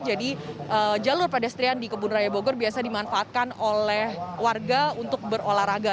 jadi jalur pedestrian di kebun raya bogor biasa dimanfaatkan oleh warga untuk berolahraga